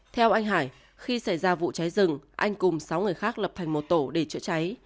theo anh hải khi xảy ra vụ cháy rừng anh cùng sáu người khác lập thành một tổ để chữa cháy